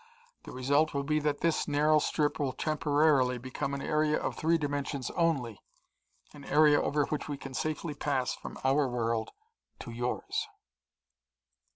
The result will be that this narrow strip will temporarily become an area of three dimensions only, an area over which we can safely pass from our world to yours."